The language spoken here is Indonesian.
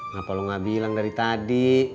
ngapain lu gak bilang dari tadi